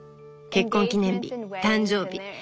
結婚記念日誕生日